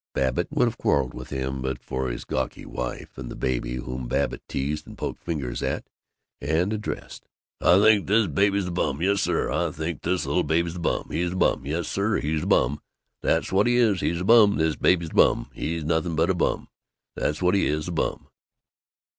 Babbitt would have quarreled with him but for his gawky wife and the baby, whom Babbitt teased and poked fingers at and addressed: "I think this baby's a bum, yes, sir, I think this little baby's a bum, he's a bum, yes, sir, he's a bum, that's what he is, he's a bum, this baby's a bum, he's nothing but an old bum, that's what he is a bum!"